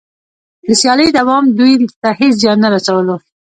د سیالۍ دوام دوی ته هېڅ زیان نه رسولو